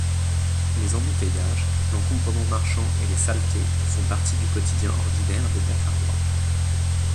Les embouteillages, l'encombrement marchand et les saletés, font partie du quotidien ordinaire des dakarois.